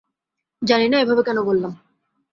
জানি না এভাবে কেন বললাম।